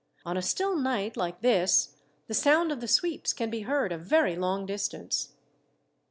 On a still night, like this, the sound of the sweeps can be heard a very long distance."